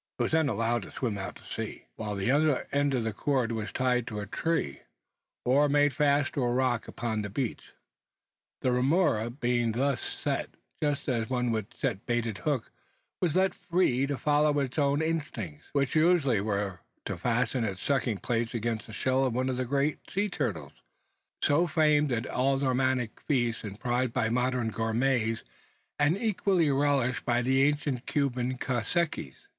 It was then allowed to swim out into the sea; while the other end of the cord was tied to a tree, or made fast to a rock upon the beach. The remora being thus set just as one would set a baited hook was left free to follow its own inclinations, which usually were to fasten its sucking plates against the shell of one of the great sea turtles, so famed at aldermanic feasts and prized by modern gourmets, and equally relished by the ancient Cuban caciques.